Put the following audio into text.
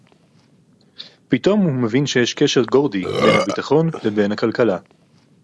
פתאום הוא מבין שיש קשר גורדי בין הביטחון לבין הכלכלה